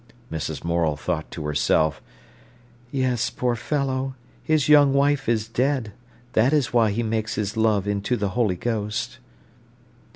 Mrs. Morel thought to herself: "Yes, poor fellow, his young wife is dead; that is why he makes his love into the Holy Ghost."